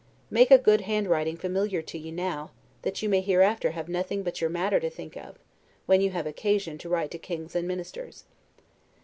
Make a good handwriting familiar to you now, that you may hereafter have nothing but your matter to think of, when you have occasion to write to kings and ministers.